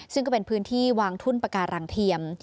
ซึ่งก็เป็นพื้นที่วางทุ่นปาการังเทียม